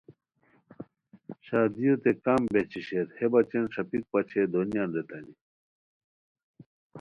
شادیوتے کم بہچی شیر ہے بچین ݰاپیک پاچئیے دونیان ریتانی